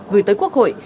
gửi tới quốc hội